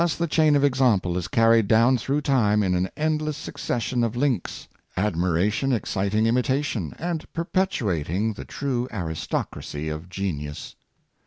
the chain of example is carried down through time in an endless succession of links — admiration excit ing imitation, and perpetuating the true aristocracy of genius.